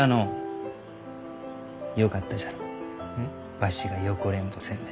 わしが横恋慕せんで。